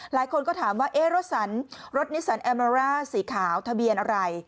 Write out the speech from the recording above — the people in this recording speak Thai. หลายคนก็ถามว่าเอ๊ะรถนิสันแอมาร่าสีขาวทะเบียนอะไร